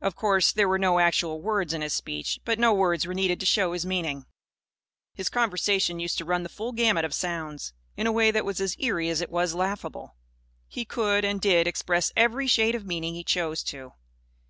Of course, there were no actual words in his speech. But no words were needed to show his meaning. His conversation used to run the full gamut of sounds, in a way that was as eerie as it was laughable. He could and did express every shade of meaning he chose to.